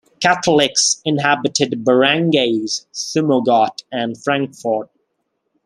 Catholics inhabited barangays Sumogot and Francfort.